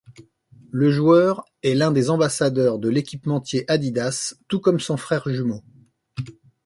Le joueur est l'un des ambassadeurs de l'équipementier Adidas, tout comme son frère jumeau.